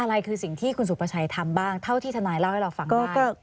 อะไรคือสิ่งที่คุณสุประชัยทำบ้างเท่าที่ทนายเล่าให้เราฟังว่า